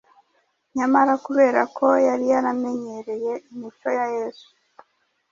Nyamara kubera ko yari yaramenyereye imico ya Yesu,